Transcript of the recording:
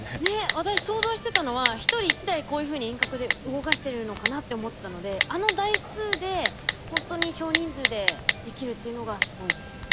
私想像してたのは１人１台こういうふうに遠隔で動かしてるのかなって思ってたのであの台数でほんとに少人数でできるっていうのがすごいですよね。